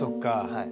はい。